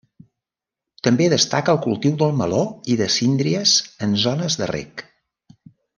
També destaca el cultiu del meló i de síndries en zones de reg.